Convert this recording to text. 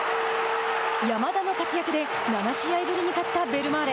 山田の活躍で７試合ぶりに勝ったベルマーレ。